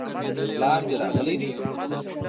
پلار دي راغلی دی؟